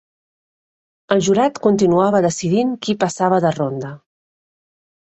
El jurat continuava decidint qui passava de ronda.